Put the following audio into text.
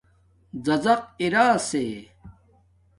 ڎڎق اراسے